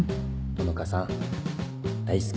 穂香さん大好き